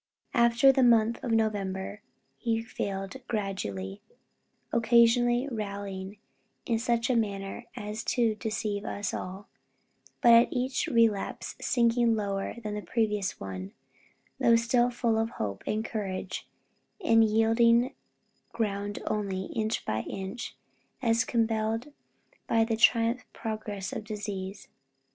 After the month of November, he failed gradually, occasionally rallying in such a manner as to deceive us all, but at each relapse sinking lower than at the previous one, though still full of hope and courage, and yielding ground only, inch by inch, as compelled by the triumphant progress of disease.